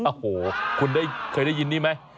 โอ้โหคุณได้เคยได้ยินนี่ไหม